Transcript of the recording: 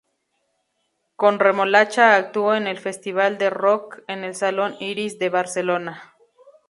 Con Remolacha actuó en el "Festival de Rock", en el "Salón Iris" de Barcelona.